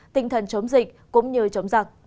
tinh thần chống dịch cũng như chống giặc